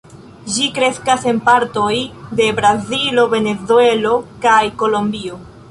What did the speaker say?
Ĝi kreskas en partoj de Brazilo, Venezuelo kaj Kolombio.